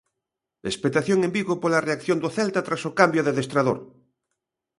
Expectación en Vigo pola reacción do Celta tras o cambio de adestrador.